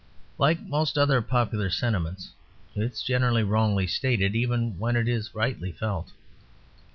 Like most other popular sentiments, it is generally wrongly stated even when it is rightly felt.